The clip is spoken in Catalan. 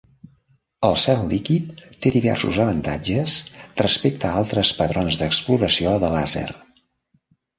El cel líquid té diversos avantatges respecte a altres patrons d'exploració de làser.